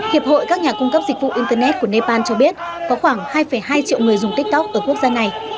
hiệp hội các nhà cung cấp dịch vụ internet của nepal cho biết có khoảng hai hai triệu người dùng tiktok ở quốc gia này